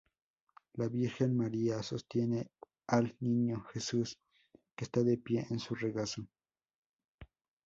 La Virgen María sostiene al niño Jesús que está de pie en su regazo.